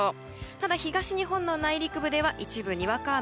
ただ、東日本の内陸部では一部にわか雨。